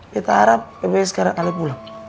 beta harap eh sekarang ale pulang